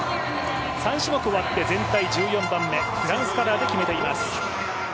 ３種目終わって全体１３位、フランスカラーで決めています。